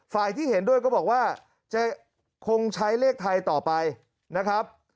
ที่เห็นด้วยก็บอกว่าจะคงใช้เลขไทยต่อไปนะครับ